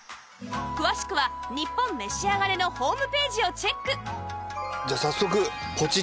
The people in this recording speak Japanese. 詳しくは『ニッポンめしあがれ』のホームページをチェックじゃあ早速ポチッといきますか。